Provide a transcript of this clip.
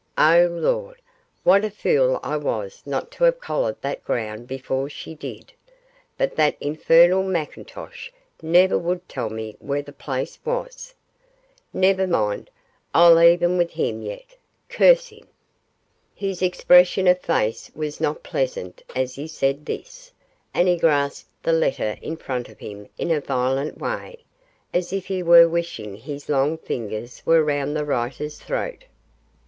Oh, Lord! what a fool I was not to have collared that ground before she did; but that infernal McIntosh never would tell me where the place was. Never mind, I'll be even with him yet; curse him.' His expression of face was not pleasant as he said this, and he grasped the letter in front of him in a violent way, as if he were wishing his long fingers were round the writer's throat.